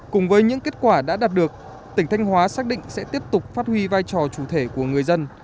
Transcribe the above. cùng với những kết quả đã đạt được tỉnh thanh hóa xác định sẽ tiếp tục phát huy vai trò chủ thể của người dân